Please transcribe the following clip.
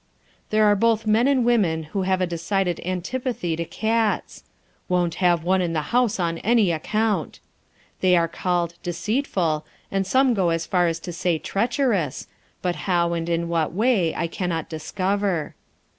There are both men and women who have a decided antipathy to cats "Won't have one in the house on any account." They are called "deceitful," and some go as far as to say "treacherous," but how and in what way I cannot discover.